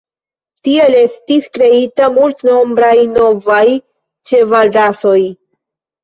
Tiel estis kreitaj multnombraj novaj ĉevalrasoj.